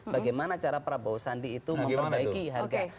bagaimana cara prabowo sandi itu memperbaiki harga